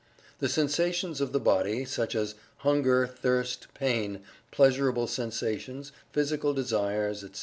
The sensations of the body, such as hunger; thirst; pain; pleasurable sensations; physical desires, etc.